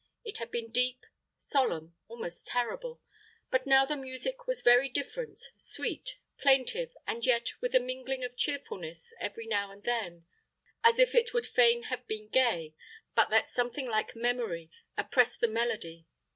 It had been deep, solemn, almost terrible; but now the music was very different, sweet, plaintive, and yet with a mingling of cheerfulness every now and then, as if it would fain have been gay, but that something like memory oppressed the melody.